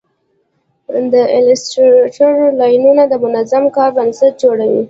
د ایلیسټریټر لایرونه د منظم کار بنسټ جوړوي.